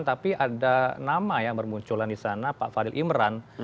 tapi ada nama yang bermunculan di sana pak fadil imran